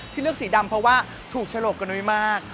เลือกสีดำเพราะว่าถูกฉลกกันนุ้ยมาก